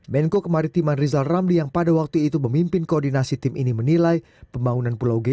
menko kemaritiman rizal ramli yang pada waktu itu memimpin koordinasi tim ini menilai pembangunan pulau g